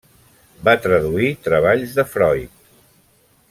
Va traduir treballs de Freud.